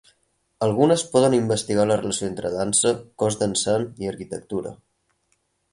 Algunes poden investigar la relació entre dansa, cos dansant i arquitectura.